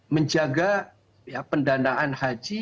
menjaga ya pendanaan haji